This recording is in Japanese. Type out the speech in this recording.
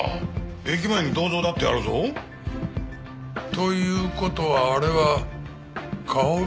駅前に銅像だってあるぞ。という事はあれは薫さんのお土産で。